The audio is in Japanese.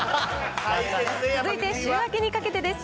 続いて週明けにかけてです。